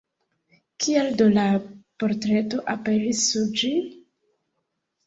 Kial do la portreto aperis sur ĝi?